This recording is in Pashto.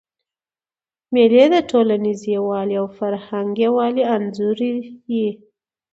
مېلې د ټولنیز یووالي او فرهنګي یووالي انځور يي.